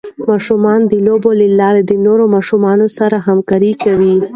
ماشومان د لوبو له لارې د نورو ماشومانو سره همکاري کوي.